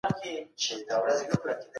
خو اغېز يې ژور و.